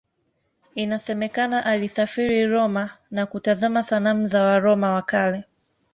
Inasemekana alisafiri Roma na kutazama sanamu za Waroma wa Kale.